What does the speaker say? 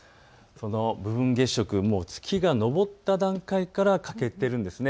部分月食、月が上った段階から欠けているんです。